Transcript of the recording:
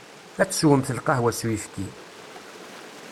Ad teswemt lqahwa s uyefki.